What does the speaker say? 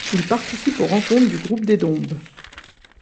Il participe aux rencontres du Groupe des Dombes.